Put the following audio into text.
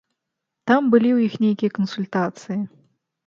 Там былі ў іх нейкія кансультацыі.